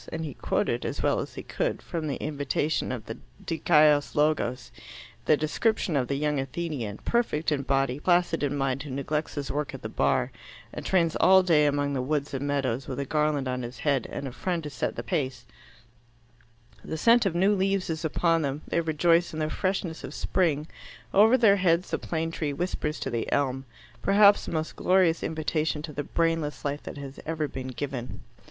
And he quoted, as well as he could, from the invitation of the Dikaios Logos, the description of the young Athenian, perfect in body, placid in mind, who neglects his work at the Bar and trains all day among the woods and meadows, with a garland on his head and a friend to set the pace; the scent of new leaves is upon them; they rejoice in the freshness of spring; over their heads the plane tree whispers to the elm, perhaps the most glorious invitation to the brainless life that has ever been given.